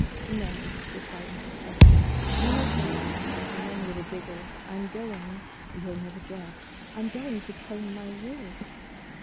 "No," replied Mrs. Poskett, "no, thank you," and then, with a giggle, "I'm going—you'll never guess!—I 'm going to comb my wig."